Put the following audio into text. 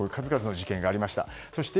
数々の事件がありました。